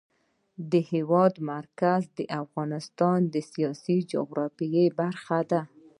د هېواد مرکز د افغانستان د سیاسي جغرافیه برخه ده.